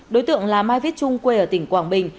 đối tượng là mai vít trung quê ở tỉnh quảng bình